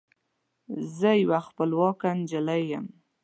زه یوه خپلواکه نجلۍ یم